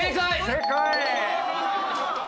正解！